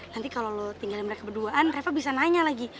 nanti kalau lo tinggal mereka berduaan reva bisa nanya lagi